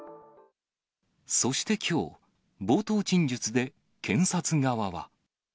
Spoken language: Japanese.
そしてきょう、冒頭陳述で検察側は。